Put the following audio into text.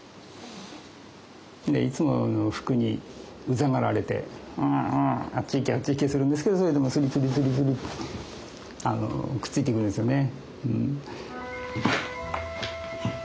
でいつもふくにウザがられてうんうんあっち行けあっち行けするんですけどそれでもスリスリスリスリくっついてくるんですよね。